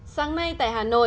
sáng nay tại hà nội